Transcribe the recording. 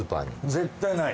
絶対ない。